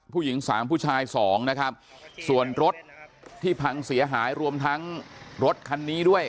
ผู้หญิงสามผู้ชายสองนะครับส่วนรถที่พังเสียหายรวมทั้งรถคันนี้ด้วย